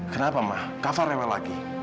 kenapa mbak kava rewel lagi